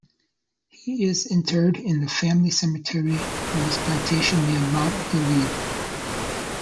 He is interred in the family cemetery on his plantation near Mount Gilead.